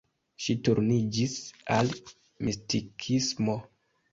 Ŝi turniĝis al mistikismo.